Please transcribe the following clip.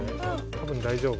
多分大丈夫。